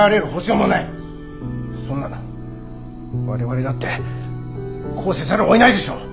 そんなの我々だってこうせざるをえないでしょ。